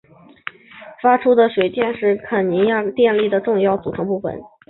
锡卡河发出的水电是肯尼亚电力的重要组成部分。